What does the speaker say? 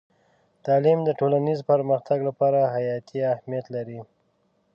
تعلیم د ټولنیز پرمختګ لپاره حیاتي اهمیت لري.